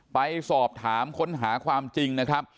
ไปสอบถามค้นหาความจริงนะครับ